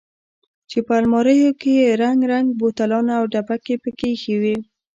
چې په الماريو کښې يې رنګ رنګ بوتلان او ډبکې پکښې ايښي وو.